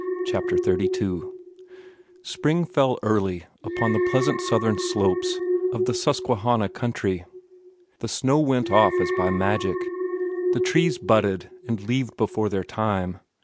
CHAPTER XXXII Spring fell early upon the pleasant southern slopes of the Susquehanna country. The snow went off as by magic. The trees budded and leaved before their time.